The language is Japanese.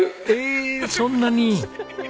えそんなに？